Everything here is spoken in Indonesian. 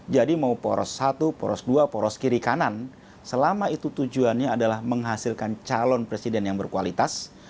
jadi mau poros satu poros dua poros kiri kanan selama itu tujuannya adalah menghasilkan calon presiden yang berkualitas